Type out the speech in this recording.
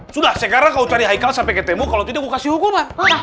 sudah sekarang kau cari hikal sampai ketemu kalau tidak mau kasih hukuman